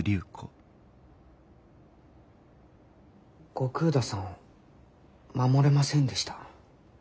後工田さんを守れませんでした。